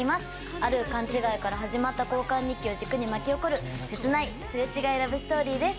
ある勘違いから始まった交換日記を軸に巻き起こる切ないすれ違いラブストーリーです。